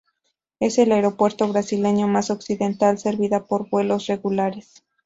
Es el aeropuerto brasileño más occidental servida por vuelos regulares.